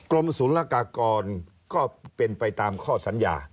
กรมศูนย์ละกากรก็เป็นไปตามข้อสัญญา